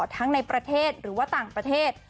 ทั้งในประเทศหรือว่าต่างประเทศ